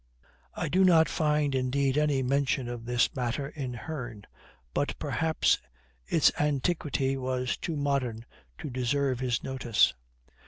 I do not find indeed any mention of this matter in Hearn; but perhaps its antiquity was too modern to deserve his notice.